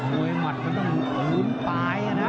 มวยมัดมันต้องหลุมปลายอ่ะนะ